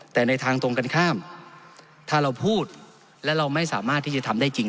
แต่ในทางตรงกันข้ามถ้าเราพูดและเราไม่สามารถที่จะทำได้จริง